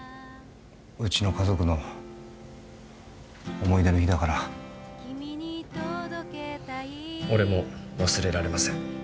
うちの家族の思い出の日だから俺も忘れられません